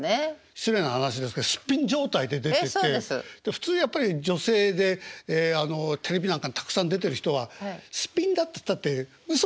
失礼な話ですけどスッピン状態で出てて普通やっぱり女性でテレビなんかにたくさん出てる人はスッピンだっつったってうそでしょ。